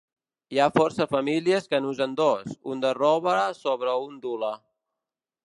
Hi ha força famílies que n'usen dos, un de roba sobre un d'hule.